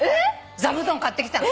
座布団買ってきたの。